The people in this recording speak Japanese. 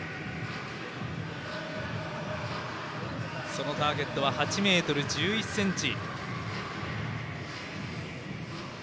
そのターゲットは８ｍ１１ｃｍ。